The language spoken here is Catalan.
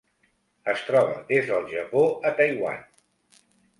Es troba des del Japó a Taiwan.